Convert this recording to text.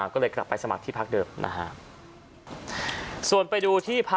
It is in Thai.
ก็มันยังไม่หมดวันหนึ่ง